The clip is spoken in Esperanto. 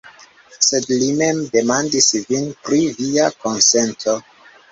Sed li mem demandis vin pri via konsento.